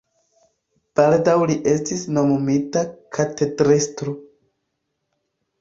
Baldaŭ li estis nomumita katedrestro.